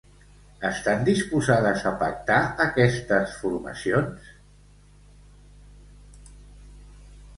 Estan disposades a pactar aquestes formacions?